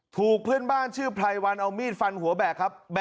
ถูกเพื่อนบ้านชื่อไพรวันเอามีดฟันหัวแบกครับ